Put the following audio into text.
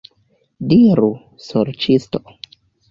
Diru, sorĉisto!